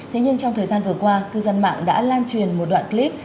thế nhưng trong thời gian vừa qua cư dân mạng đã lan truyền một đoạn clip